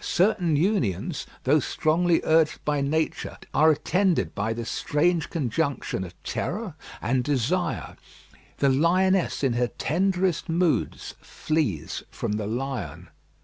Certain unions, though strongly urged by nature, are attended by this strange conjunction of terror and desire. The lioness in her tenderest moods flies from the lion.